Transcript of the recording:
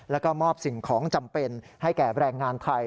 แล้วก็มอบสิ่งของจำเป็นให้แก่แรงงานไทย